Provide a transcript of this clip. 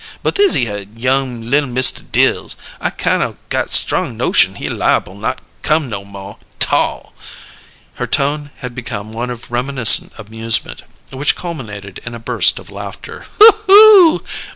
But thishere young li'l Mista Dills, I kine o' got strong notion he liable not come no mo' 'tall!" Her tone had become one of reminiscent amusement, which culminated in a burst of laughter.